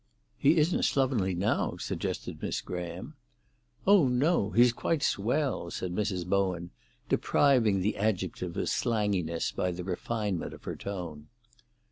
"He isn't slovenly now," suggested Miss Graham. "Oh no; he's quite swell," said Mrs. Bowen, depriving the adjective of slanginess by the refinement of her tone.